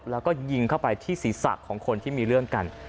แล้วก็ยิงเข้าไปที่ศีรษะของคนที่มีเรื่องกัน